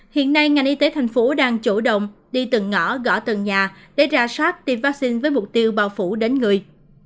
hiện nay ngành y tế thành phố đang chủ động đi từng ngõ gõ từng nhà để ra soát tiêm vaccine với mục tiêu bao phủ đến người